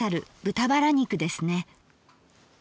豚バラ肉ですね。